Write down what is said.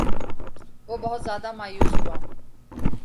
وہ بہت زیادہ مایوس ہوا